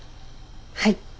はい。